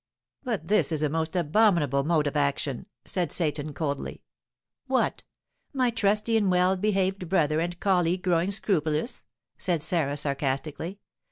"But this is a most abominable mode of action," said Seyton, coldly. "What! my trusty and well behaved brother and colleague growing scrupulous?" said Sarah, sarcastically.